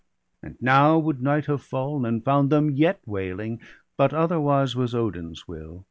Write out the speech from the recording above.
And now would night have falFn, and found them yet Wailing; but otherwise was Odin's will.